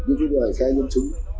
qua được những cái người khen nhân chứng